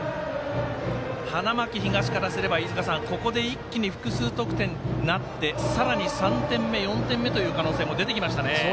花巻東からすれば、ここで一気に複数得点になってさらに３点目４点目という可能性も出てきましたね。